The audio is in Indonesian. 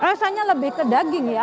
rasanya lebih ke daging ya